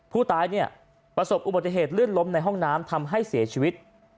ผู้ตายเนี่ยประสบอุบัติเหตุลื่นล้มในห้องน้ำทำให้เสียชีวิต